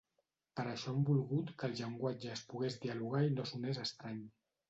Per això han volgut que el llenguatge es pogués dialogar i no sonés estrany.